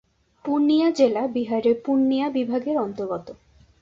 পূর্ণিয়া জেলা বিহারের পূর্ণিয়া বিভাগের অন্তর্গত।